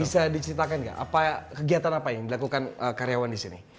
bisa diceritakan nggak kegiatan apa yang dilakukan karyawan di sini